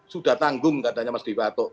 sudah tanggung katanya mas devi atok